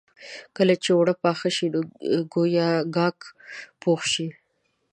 کله چې اوړه پاخه شي نو ګويا کاک پوخ شي.